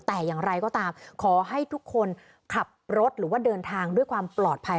แต่อย่างไรก็ตามขอให้ทุกคนขับรถหรือว่าเดินทางด้วยความปลอดภัย